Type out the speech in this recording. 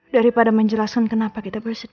daripada menjelaskan kenapa kita bersedia